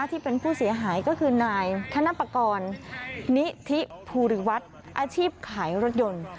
ที่เป็นผู้เสียหายก็คือนายธนปกรณ์นิธิภูริวัฒน์อาชีพขายรถยนต์